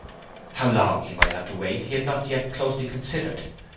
How long he might have to wait he had not yet closely considered.